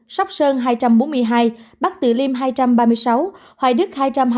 sóc sơn hai trăm bốn mươi hai bắc từ liêm hai trăm ba mươi sáu hoài đức hai trăm hai mươi